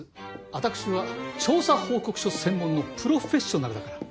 私は調査報告書専門のプロフェッショナルだから。